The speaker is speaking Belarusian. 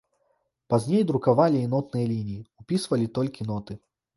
Пазней друкавалі і нотныя лініі, упісвалі толькі ноты.